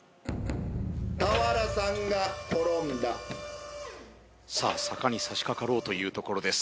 俵さんが転んださあ坂にさしかかろうというところです